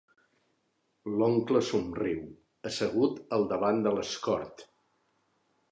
L'oncle somriu, assegut al davant de l'Escort.